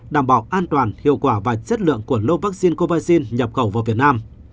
đảm bảo an toàn hiệu quả và chất lượng của lô vaccine covid nhập khẩu vào việt nam